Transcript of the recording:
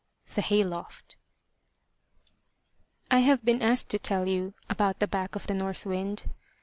THE HAY LOFT I HAVE been asked to tell you about the back of the north wind.